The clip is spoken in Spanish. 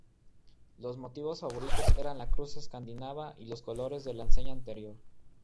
Los motivos favoritos eran la cruz Escandinava y los colores de la enseña anterior.